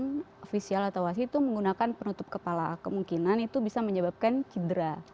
yang ofisial atau wasit itu menggunakan penutup kepala kemungkinan itu bisa menyebabkan cedera